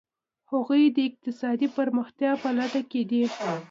هغوی د اقتصادي پرمختیا په لټه کې دي.